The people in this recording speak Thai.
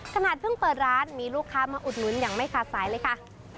ขนาดเพิ่งเปิดร้านมีลูกค้ามาอุดหนุนอย่างไม่ขาดสายเลยค่ะ